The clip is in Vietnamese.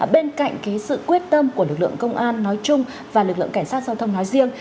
bên cạnh sự quyết tâm của lực lượng công an nói chung và lực lượng cảnh sát giao thông nói riêng